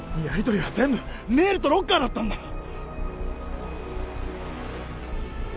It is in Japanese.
やりとりは全部メールとロッカーだったんだ